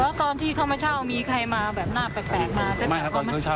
แล้วตอนที่เขามาเช่ามีใครมาแบบหน้าแปลกมา